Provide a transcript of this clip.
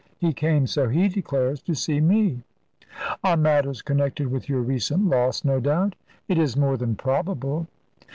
He came, so he declares, to see me." "On matters connected with your recent loss, no doubt." "It is more than probable."